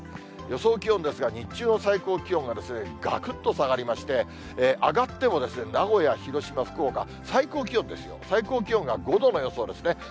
予想気温ですが、日中の最高気温ががくっと下がりまして、上がっても名古屋、広島、福岡、最高気温ですよ、最高気温が５度の予想ですね。